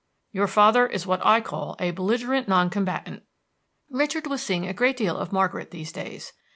"Your father is what I call a belligerent non combatant." Richard was seeing a great deal of Margaret these days.